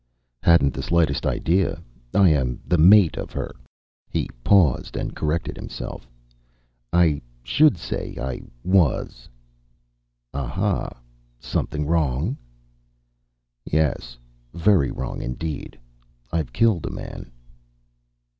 "Hadn't the slightest idea. I am the mate of her " He paused and corrected himself. "I should say I was." "Aha! Something wrong?" "Yes. Very wrong indeed. I've killed a man."